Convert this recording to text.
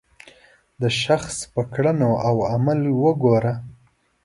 د شخص په کړنو او عمل وګوره.